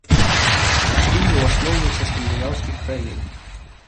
Расліны ў асноўным са скандынаўскіх краін.